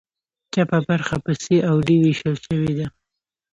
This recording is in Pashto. چپه برخه په سي او ډي ویشل شوې ده.